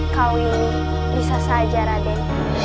kau ini bisa saja raden